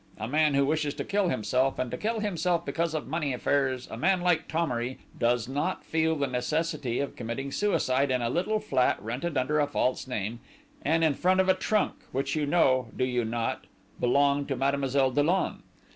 A man who wishes to kill himself, and to kill himself because of money affairs, a man like Thomery, does not feel the necessity of committing suicide in a little flat rented under a false name, and in front of a trunk, which you know, do you not, belonged to Mademoiselle Dollon!